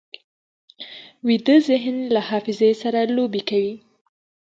ویده ذهن له حافظې سره لوبې کوي